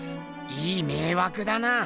いいめいわくだな。